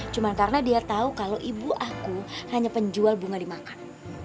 cuma karena dia tahu kalau ibu aku hanya penjual bunga dimakan